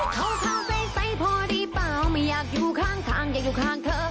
เขาเข้าใสพอได้เปล่าไม่อยากอยู่ข้างอยากอยู่ข้างเธอ